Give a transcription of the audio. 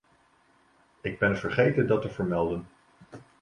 Ik ben vergeten dat te vermelden.